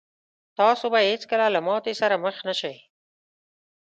تاسو به هېڅکله له ماتې سره مخ نه شئ.